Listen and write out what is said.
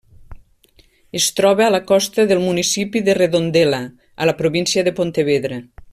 Es troba a la costa del municipi de Redondela, a la província de Pontevedra.